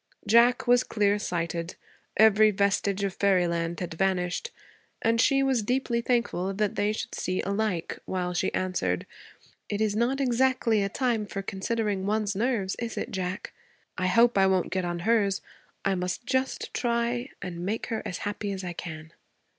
Jack was clear sighted. Every vestige of fairyland had vanished. And she was deeply thankful that they should see alike, while she answered, 'It's not exactly a time for considering one's nerves, is it, Jack? I hope I won't get on hers. I must just try and make her as happy as I can.'